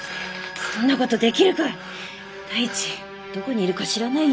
そんな事できるかい。